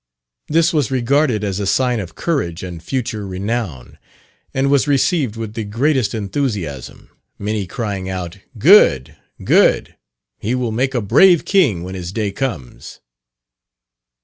This was regarded as a sign of courage and future renown, and was received with the greatest enthusiasm many crying out, "Good, good: he will make a brave king when his day comes."